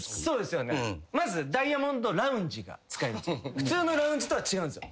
普通のラウンジとは違うんですよ。